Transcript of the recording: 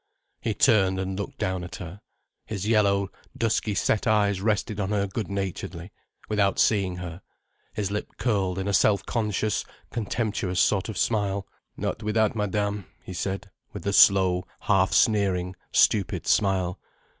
He turned and looked down at her. His yellow, dusky set eyes rested on her good naturedly, without seeing her, his lip curled in a self conscious, contemptuous sort of smile. "Not without Madame," he said, with the slow, half sneering, stupid smile.